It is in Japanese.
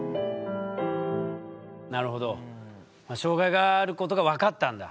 なるほど障害があることが分かったんだ。